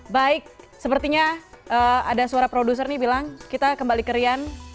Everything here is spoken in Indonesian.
baik sepertinya ada suara produser nih bilang kita kembali ke rian